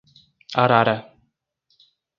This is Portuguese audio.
Arara